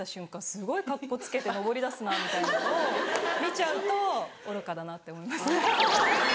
すごいカッコつけて登りだすな」みたいなのを見ちゃうと愚かだなって思います。